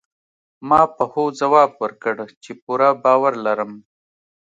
ما په هوځواب ورکړ، چي پوره باور لرم.